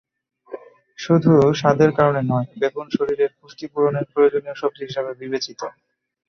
শুধু স্বাদের কারণে নয়, বেগুন শরীরের পুষ্টি পূরণের প্রয়োজনীয় সবজি হিসেবে বিবেচিত।